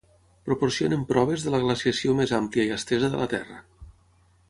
Proporcionen proves de la glaciació més àmplia i estesa de la terra.